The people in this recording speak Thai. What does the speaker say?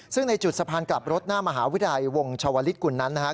ซึ่งในจุดสะพานกลับรถหน้ามหาวิทยาลัยวงชาวลิศกุลนั้นนะครับ